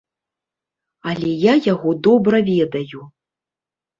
Але я яго добра ведаю.